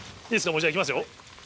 もうじゃあいきますよ。